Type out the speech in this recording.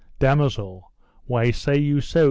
Damosel, why say you so?